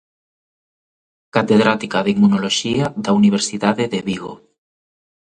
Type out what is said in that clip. Catedrática de Inmunoloxía da Universidade de Vigo.